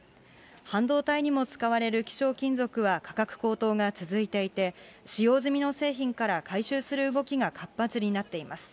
半導体にも使われる希少金属は価格高騰が続いていて、使用済みの製品から回収する動きが活発になっています。